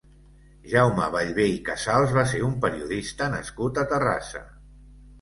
Jaume Ballber i Casals va ser un periodista nascut a Terrassa.